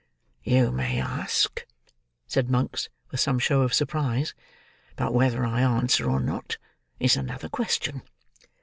"You may ask," said Monks, with some show of surprise; "but whether I answer or not is another question."